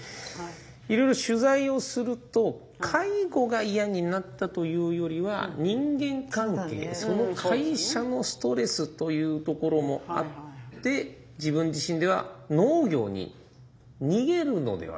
いろいろ取材をすると介護が嫌になったというよりは人間関係その会社のストレスというところもあって自分自身では農業に逃げるのではないか自問自答として。